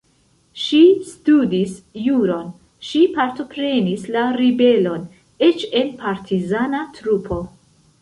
Ŝi studis juron, ŝi partoprenis la ribelon, eĉ en partizana trupo.